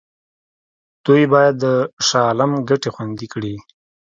دوی باید د شاه عالم ګټې خوندي کړي.